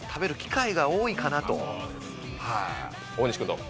大西君どう？